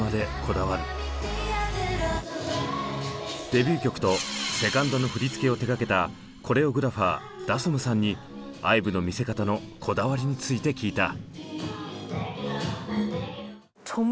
デビュー曲とセカンドの振り付けを手がけたコレオグラファーダソムさんにＩＶＥの見せ方のこだわりについて聞いた。